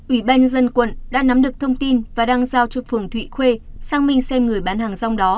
ủy ban nhân dân quận đã nắm được thông tin và đang giao cho phường thụy khuê xác minh xem người bán hàng rong đó